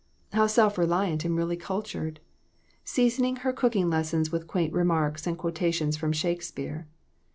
How self reliant and really cultured ! Sea soning her cooking lessons with quaint remarks and quotations from Shakespeare.